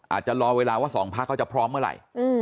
อาจจะรอเวลาว่าสองพักเขาจะพร้อมเมื่อไหร่